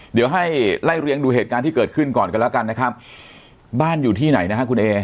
เดี๋ยวให้ไล่เรียงดูเหตุการณ์ที่เกิดขึ้นก่อนกันแล้วกันนะครับบ้านอยู่ที่ไหนนะฮะคุณเอ